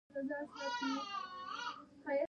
فوټسال یې په اسیا کې لومړی دی.